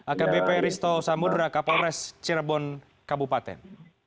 akbp risto samudera kapolres cirebon kabupaten